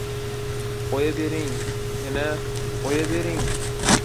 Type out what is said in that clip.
— Qo‘ya bering, ena, qo‘ya bering.